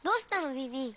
ビビ。